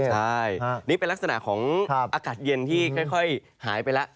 ใช่นี่เป็นลักษณะของอากาศเย็นที่ค่อยหายไปแล้ว